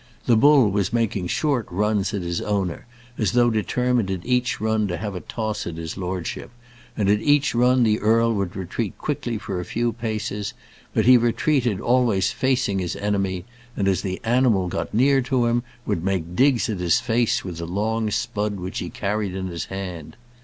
The bull was making short runs at his owner, as though determined in each run to have a toss at his lordship; and at each run the earl would retreat quickly for a few paces, but he retreated always facing his enemy, and as the animal got near to him, would make digs at his face with the long spud which he carried in his hand.